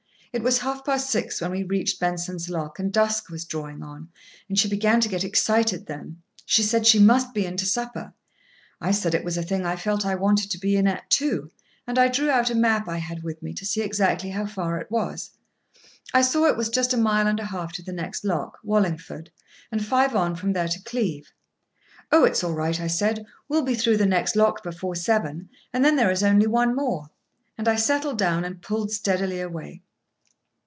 It was half past six when we reached Benson's lock, and dusk was drawing on, and she began to get excited then. She said she must be in to supper. I said it was a thing I felt I wanted to be in at, too; and I drew out a map I had with me to see exactly how far it was. I saw it was just a mile and a half to the next lock—Wallingford—and five on from there to Cleeve. "Oh, it's all right!" I said. "We'll be through the next lock before seven, and then there is only one more;" and I settled down and pulled steadily away.